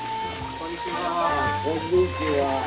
こんにちは。